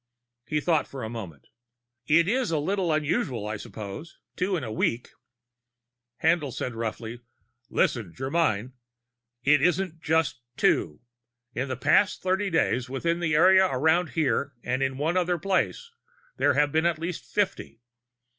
He thought for a moment. "It is a little unusual, I suppose. Two in a week " Haendl said roughly: "Listen, Germyn. It isn't just two. In the past thirty days, within the area around here and in one other place, there have been at least fifty.